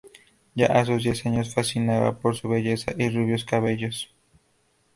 Ya a sus diez años fascinaba por su belleza y rubios cabellos.